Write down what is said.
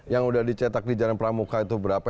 yang udah dicetak di jalan pramuka itu berapa